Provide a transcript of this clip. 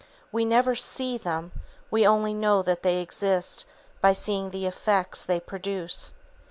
We never see them; we only know that they exist by seeing the effects they produce.